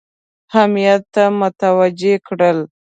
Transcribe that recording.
اهمیت ته متوجه کړل.